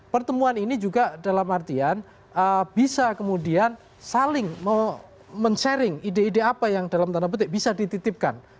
pertemuan ini juga dalam artian bisa kemudian saling men sharing ide ide apa yang dalam tanda petik bisa dititipkan